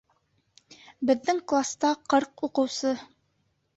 Беҙҙең класта ҡырҡ уҡыусы.